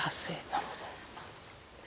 なるほど。